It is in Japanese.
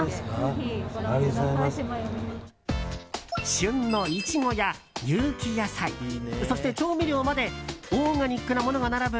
旬のイチゴや有機野菜そして調味料までオーガニックなものが並ぶ